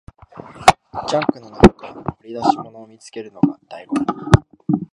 ジャンクの中から掘り出し物を見つけるのが醍醐味